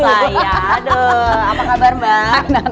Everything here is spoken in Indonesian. aduh apa kabar mbak